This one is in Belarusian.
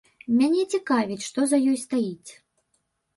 Мяне цікавіць, што за ёй стаіць.